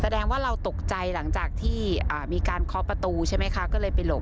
แสดงว่าเราตกใจหลังจากที่มีการเคาะประตูใช่ไหมคะก็เลยไปหลบ